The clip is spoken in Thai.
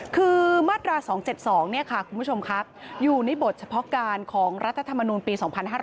คือมาตรา๒๗๒คุณผู้ชมครับอยู่ในบทเฉพาะการของรัฐธรรมนูลปี๒๕๕๙